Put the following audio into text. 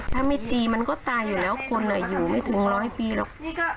ถ้าไม่ตีมันก็ตายอยู่แล้วคนอยู่ไม่ถึงร้อยปีหรอก